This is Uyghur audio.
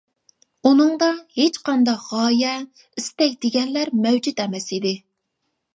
ئۇنىڭدا ھېچقانداق غايە، ئىستەك دېگەنلەر مەۋجۇت ئەمەس ئىدى.